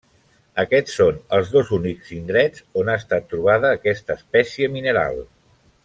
Aquests són els dos únics indrets on ha estat trobada aquesta espècie mineral.